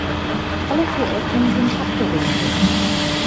Alle vier Ecken sind abgerundet.